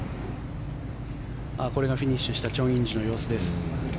これがフィニッシュしたチョン・インジの様子です。